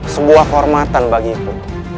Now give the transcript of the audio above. sebuah kehormatan bagiku